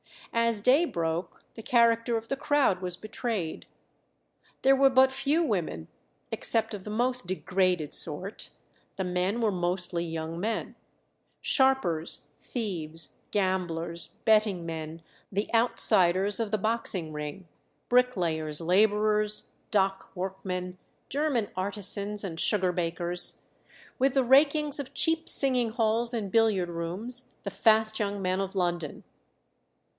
As day broke the character of the crowd was betrayed. There were but few women, except of the most degraded sort; the men were mostly young men "sharpers, thieves, gamblers, betting men, the outsiders of the boxing ring, bricklayers' labourers, dock workmen, German artisans and sugar bakers, ... with the rakings of cheap singing halls and billiard rooms, the fast young men of London.